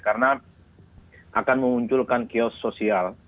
karena akan memunculkan kiosk sosial